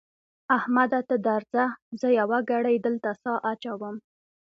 احمده ته درځه؛ زه يوه ګړۍ دلته سا اچوم.